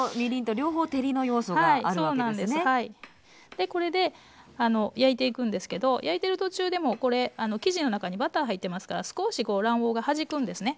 でこれで焼いていくんですけど焼いてる途中でもこれ生地の中にバター入ってますから少し卵黄がはじくんですね。